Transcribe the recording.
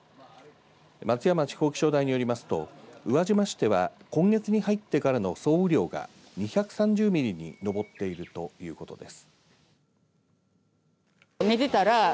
松山地方気象台によりますと宇和島市では今月に入ってからの総雨量が２３０ミリに上っているということです。